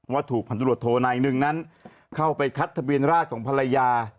ว่าถูกพันธุรกิจโทนายหนึ่งนั้นเข้าไปคัดทะเบียนราชของภรรยา